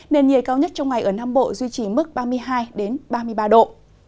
nền nhiệt cao nhất trong ngày ở nam bộ duy trì mức ba mươi hai ba mươi ba độ